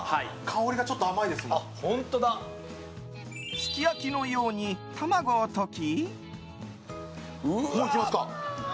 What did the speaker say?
すき焼きのように卵を溶き。